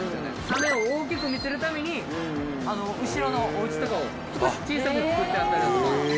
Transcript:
サメを大きく見せるために後ろのおうちとかを少し小さめに造ってあったりだとか。